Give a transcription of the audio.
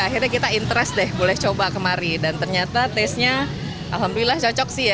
akhirnya kita interest deh boleh coba kemari dan ternyata taste nya alhamdulillah cocok sih ya